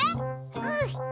うん！